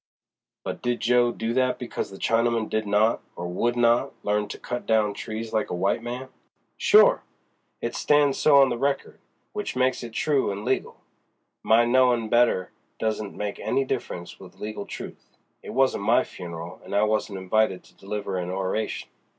"But did Jo. do that because the Chinaman did not, or would not, learn to cut down trees like a white man?" "Sure!—it stan's so on the record, which makes it true an' legal. My knowin' better doesn't make any difference with legal truth; it wasn't my funeral and I wasn't invited to deliver an oration.